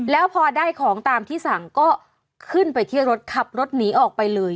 แล้วพอได้ของตามที่สั่งก็ขึ้นไปที่รถขับรถหนีออกไปเลย